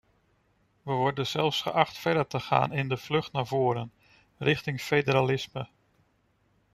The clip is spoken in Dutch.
We worden zelfs geacht verder te gaan in de vlucht naar voren, richting federalisme.